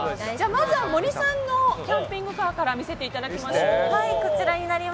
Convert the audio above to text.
まずは森さんのキャンピングカーから見せていただきましょう。